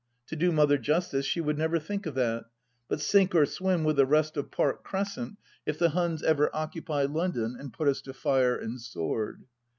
To do Mother justice, she would never think of that, but sink or swim with the rest of Park Crescent, if the Huns ever occupy London and put us to fire and sword.